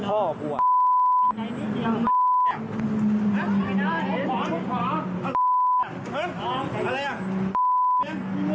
อะไรอ่ะ